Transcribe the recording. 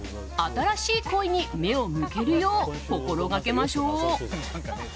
新しい恋に目を向けるよう心がけましょう。